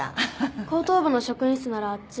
高等部の職員室ならあっち。